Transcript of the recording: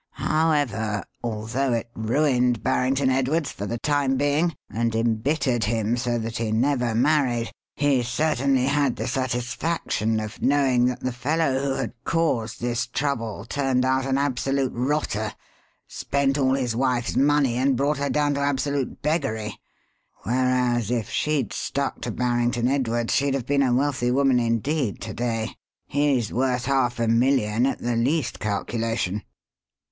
However, although it ruined Barrington Edwards for the time being, and embittered him so that he never married, he certainly had the satisfaction of knowing that the fellow who had caused this trouble turned out an absolute rotter, spent all his wife's money and brought her down to absolute beggary, whereas, if she'd stuck to Barrington Edwards she'd have been a wealthy woman indeed, to day. He's worth half a million at the least calculation."